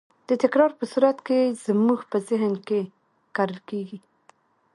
د تکرار په صورت کې زموږ په ذهن کې کرل کېږي.